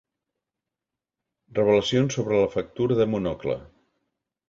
Revelacions sobre la factura de Monocle.